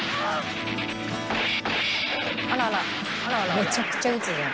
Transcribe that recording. めちゃくちゃ撃つじゃん。